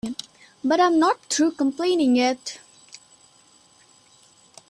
But I'm not through complaining yet.